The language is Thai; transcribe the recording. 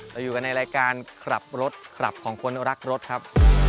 อยู่กันในรายการขับรถคลับของคนรักรถครับ